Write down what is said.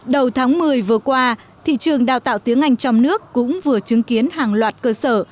đầu tháng một mươi vừa qua thị trường đào tạo tiếng anh trong nước cũng vừa chứng kiến hàng loạt cơ sở